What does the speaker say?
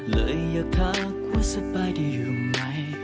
เลยอยากทักว่าสบายได้อยู่ไหม